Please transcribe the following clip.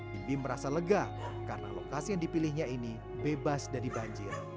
bibi merasa lega karena lokasi yang dipilihnya ini bebas dari banjir